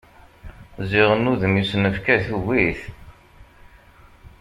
Ziɣen udem i s-nefka tugi-t.